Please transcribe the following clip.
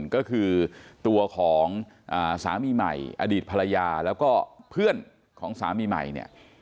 ก็คือตัวของสามีใหม่อดีตภรรยาแล้วก็เพื่อนของสามีใหม่เนี่ย